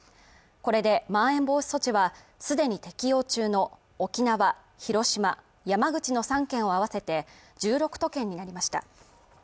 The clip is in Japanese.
これでまん延防止措置はすでに適用中の沖縄広島山口の３県を合わせて１６都県になりました